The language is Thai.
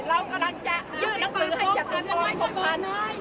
เรากำลังจะยืดสือให้จากสูตรปราบโกงพวกมัน